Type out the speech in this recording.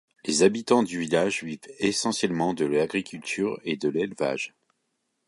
Les habitants du village vivent essentiellement de l'agriculture et de l’élevage.